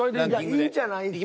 いいんじゃないすか。